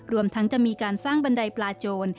รวมทั้งจะมีการสร้างบันไดปลาโจร